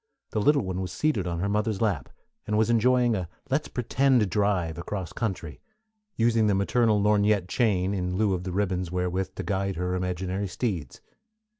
The little one was seated on her mother's lap, and was enjoying a "let's pretend" drive across country, using the maternal lorgnette chain in lieu of the ribbons wherewith to guide her imaginary steeds.